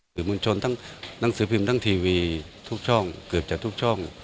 เกือบจากทุกช่อง